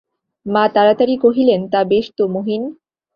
মা তাড়াতাড়ি কহিলেন, তা বেশ তো মহিন।